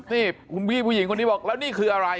นี่คุณพี่ผู้หญิงคนนี้บอกแล้วนี่คืออะไร